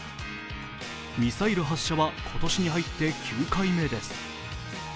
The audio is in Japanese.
ミサイル発射は今年に入って９回目です。